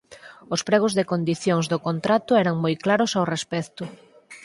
Os pregos de condicións do contrato eran moi claros ao respecto.